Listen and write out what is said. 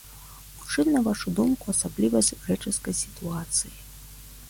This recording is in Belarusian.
У чым, на вашу думку, асаблівасць грэчаскай сітуацыі?